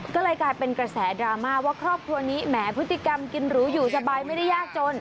ก็เลยกลายเป็นกระแสดราม่าว่าครอบครัวนี้แหมพฤติกรรมกินหรูอยู่สบายไม่ได้ยากจน